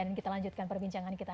dan kita lanjutkan perbincangan kita